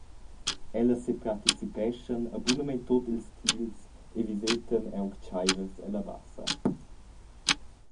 Ellas separticipeschan a bunamein tut ils tils e visetan aunc tscheivers ella Bassa.